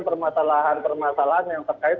permasalahan permasalahan yang terkait